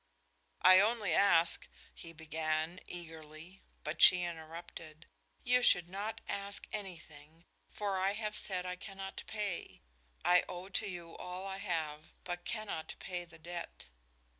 "I only ask " he began, eagerly, but she interrupted. "You should not ask anything, for I have said I cannot pay. I owe to you all I have, but cannot pay the debt."